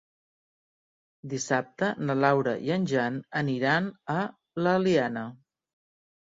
Dissabte na Laura i en Jan aniran a l'Eliana.